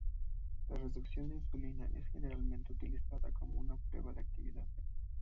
La reducción de insulina es generalmente utilizada como una prueba de actividad.